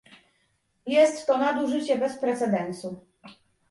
Jest to nadużycie bez precedensu